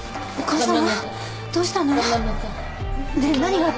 お母さん。